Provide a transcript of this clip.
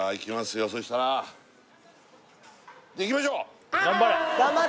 よそしたらじゃあいきましょう